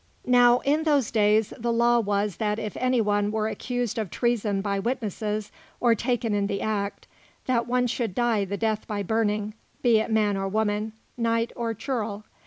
Now in those days the law was that if any one were accused of treason by witnesses, or taken in the act, that one should die the death by burning, be it man or woman, knight or churl.